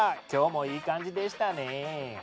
今日もいい感じでしたね。